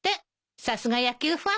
さすが野球ファンね。